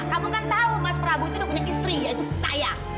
kamu kan tahu mas prabu itu punya istri yaitu saya